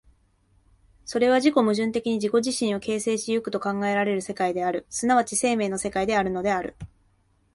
それは自己矛盾的に自己自身を形成し行くと考えられる世界である、即ち生命の世界であるのである。